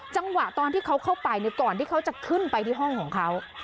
จังหวะตอนที่เขาเข้าไปก่อนที่เขาจะขึ้นไปที่ห้องของเขา